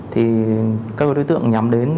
thì các đối tượng nhắm đến